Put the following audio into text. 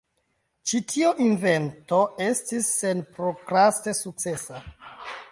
Ĉi tio invento estis senprokraste sukcesa.